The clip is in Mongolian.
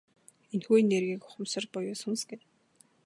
Энэхүү энергийг ухамсар буюу сүнс гэнэ.